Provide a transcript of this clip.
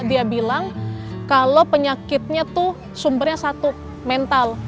dia bilang kalau penyakitnya itu sumbernya satu mental